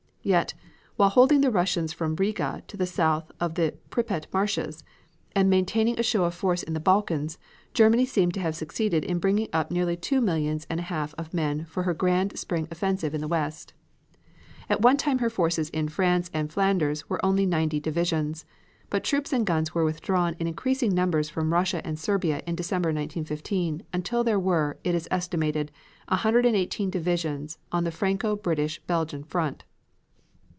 Yet, while holding the Russians from Riga to the south of the Pripet Marshes, and maintaining a show of force in the Balkans, Germany seems to have succeeded in bringing up nearly two millions and a half of men for her grand spring offensive in the west. At one time her forces in France and Flanders were only ninety divisions. But troops and guns were withdrawn in increasing numbers from Russia and Serbia in December, 1915, until there were, it is estimated, a hundred and eighteen divisions on the Franco British Belgian front.